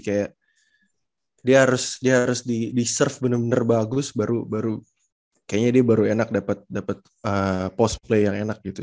kayak dia harus di serve bener bener bagus baru kayaknya dia baru enak dapet post play yang enak gitu